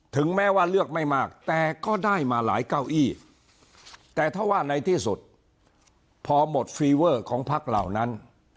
ถึงแม้ว่าเลือกไม่มากแต่ก็ได้มาหลายเก้าอี้แต่ถ้าว่าในที่สุดพอหมดฟีเวอร์ของพักเหล่านั้น